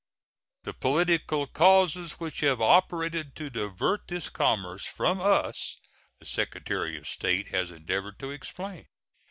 The political causes which have operated to divert this commerce from us the Secretary of State has endeavored to explain.